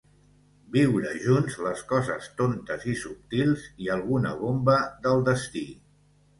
Viure junts les coses tontes i subtils i alguna bomba del destí.